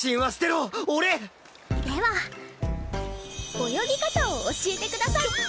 では泳ぎ方を教えてください！